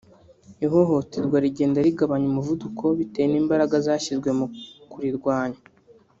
ihohoterwa rigenda rigabanya umuvuduko bitewe n’imbaraga zashyizwe mu kurirwanya